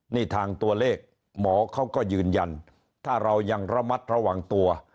นี่ทางตัวเลขหมอเขาก็ยืนยันถ้าเรายังระมัดระวังตัว